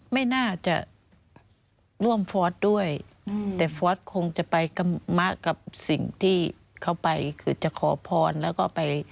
ไม่น่าจะร่วมฟอร์สด้วยแต่ฟอร์สคงจะไปมะกับสิ่งที่เขาไปคือจะขอพรแล้วก็ไป